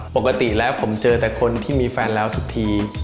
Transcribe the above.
ปกติแล้วผมเจอแต่คนที่มีแฟนเราทุกที